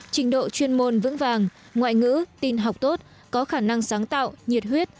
trình độ chuyên môn vững vàng ngoại ngữ tin học tốt có khả năng sáng tạo nhiệt huyết